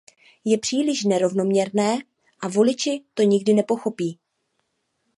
Je to příliš nerovnoměrné a voliči to nikdy nepochopí.